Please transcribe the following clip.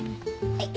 はい。